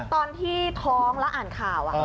ตอนที่ท้องแล้วอ่านข่าว